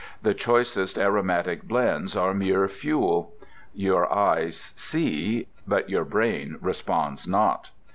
The choicest aromatic blends are mere fuel. Your eyes see, but your brain responds not.